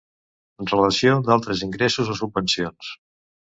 Relació d'altres ingressos o subvencions.